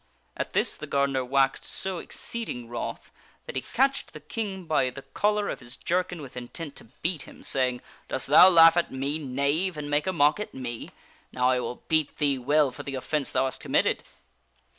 At this, the gardener waxed so exceeding wroth, that he catched the King by the collar of his jerkin with intent to beat him, saying :" Dost thou laugh at me, knave, and make a mock at me? Now I will beat thee well for the offence thou hast committed."